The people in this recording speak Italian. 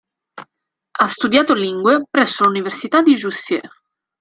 Ha studiato Lingue presso l'università di Jussieu.